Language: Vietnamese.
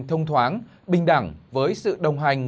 thông thoáng bình đẳng với sự đồng hành